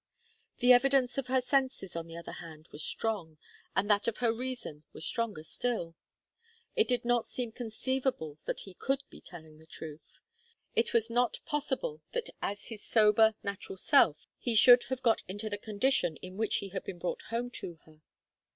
The evidence of her senses, on the other hand, was strong, and that of her reason was stronger still. It did not seem conceivable that he could be telling the truth. It was not possible that as his sober, natural self he should have got into the condition in which he had been brought home to her.